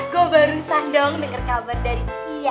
gue baru sang dong denger kabar dari ia